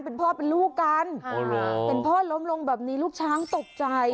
เป็นพ่อเป็นลูกกันเห็นพ่อล้มลงแบบนี้ลูกช้างตกใจ